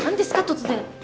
突然。